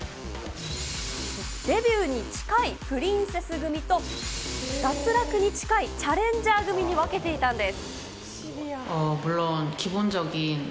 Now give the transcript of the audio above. デビューに近いプリンセス組と、脱落に近いチャレンジャー組に分けていたんです。